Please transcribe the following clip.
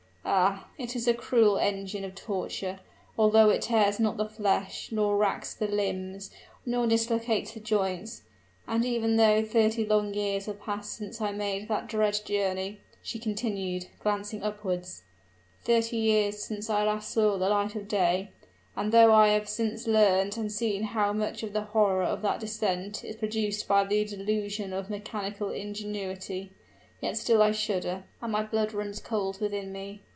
Ah! it is a cruel engine of torture, although it tears not the flesh, nor racks the limbs, nor dislocates the joints. And even though thirty long years have passed since I made that dread journey," she continued, glancing upwards "thirty years since I last saw the light of day and though I have since learned and seen how much of the horror of that descent is produced by the delusion of mechanical ingenuity yet still I shudder, and my blood runs cold within me."